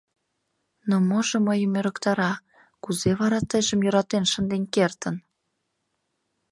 — Но можо мыйым ӧрыктара, кузе вара тыйжым йӧратен шынден кертын?